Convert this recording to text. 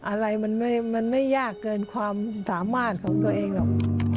อะไรมันไม่ยากเกินความสามารถของตัวเองหรอก